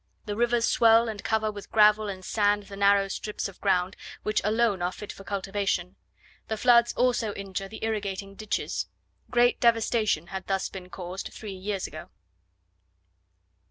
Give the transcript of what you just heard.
The rivers swell, and cover with gravel and sand the narrow strips of ground, which alone are fit for cultivation. The floods also injure the irrigating ditches. Great devastation had thus been caused three years ago.